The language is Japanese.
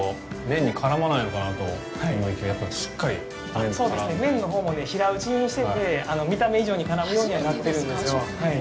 麺のほうも平打ちにしてて、見た目以上に絡むようにはなってるんですよ。